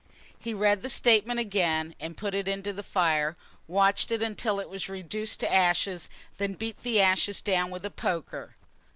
He read the statement again and put it into the fire, watched it until it was reduced to ashes, then beat the ashes down with a poker.